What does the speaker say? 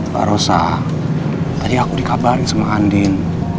pak rosa tadi aku dikabarin sama andin